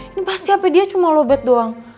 ini pasti hp dia cuma lowbat doang